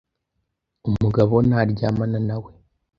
Umugabo naryamana na we